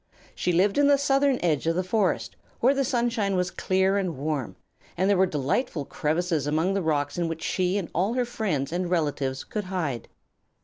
She lived in the southern edge of the forest, where the sunshine was clear and warm, and there were delightful crevices among the rocks in which she and all her friends and relatives could hide.